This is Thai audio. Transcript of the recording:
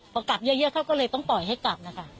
พอกลับเยอะเขาก็เลยต้องปล่อยให้กลับนะคะ